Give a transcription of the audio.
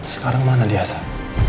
sekarang mana dia asah